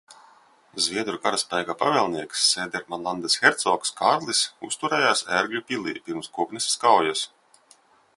Zviedru karaspēka pavēlnieks Sēdermanlandes hercogs Kārlis uzturējās Ērgļu pilī pirms Kokneses kaujas.